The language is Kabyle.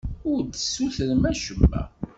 Ur d-tessutrem acemma.